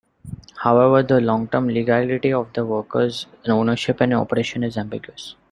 However, the long term legality of the worker's ownership and operation is ambiguous.